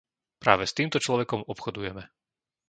Práve s týmto človekom obchodujeme.